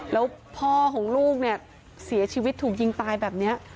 แล้วพ่อของลูกเนี่ยเสียชีวิตถูกยิงตายแบบนี้